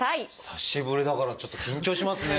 久しぶりだからちょっと緊張しますね。